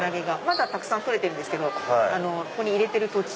まだたくさん取れてるんですけどここに入れてる途中で。